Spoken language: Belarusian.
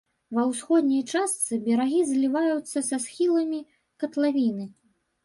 Ва ўсходняй частцы берагі зліваюцца са схіламі катлавіны.